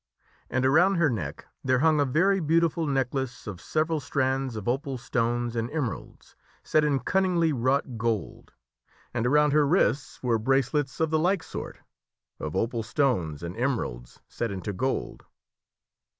And around her neck there hung a very beautiful necklace of sev eral strands of opal stones and emeralds, set in cunningly wrought gold ; and around her wrists were bracelets of the like sort of opal stones and emeralds set into gold.